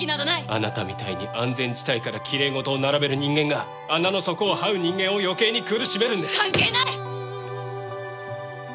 あなたみたいに安全地帯からきれい事を並べる人間が穴の底をはう人間を余計に苦しめるんです関係ない！